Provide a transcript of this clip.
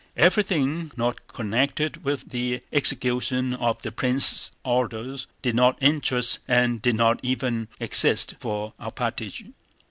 Everything not connected with the execution of the prince's orders did not interest and did not even exist for Alpátych.